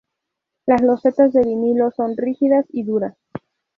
Las losetas de vinilo son rígidas y duras.